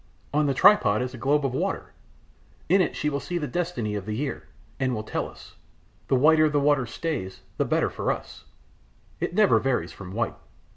"On the tripod is a globe of water. In it she will see the destiny of the year, and will tell us. The whiter the water stays, the better for us; it never varies from white.